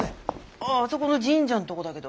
あああそこの神社のとこだけど。